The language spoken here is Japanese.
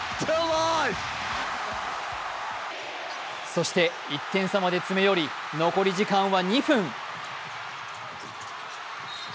そして１点差まで詰め寄り残り時間は２分。